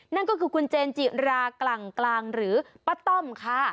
นั่นก็คือคุณเจนจิรากลั่งกลางหรือป้าต้อมค่ะ